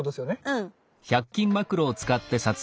うん。